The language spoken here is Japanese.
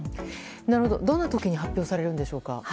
どんな時に発表されるのでしょうか。